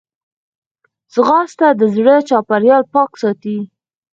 ځغاسته د زړه چاپېریال پاک ساتي